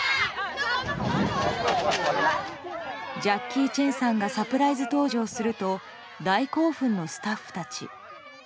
ジャッキー・チェンさんがサプライズ登場すると大興奮のスタッフたち。